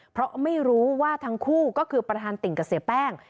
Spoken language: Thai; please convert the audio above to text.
เพราะไม่รู้ว่าทั้งคู่ก็คือประธานติ่งกับเสียแป้ง